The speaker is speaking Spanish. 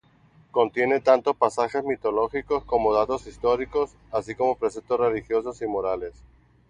Contiene tanto pasajes mitológicos como datos históricos, así como preceptos religiosos y morales.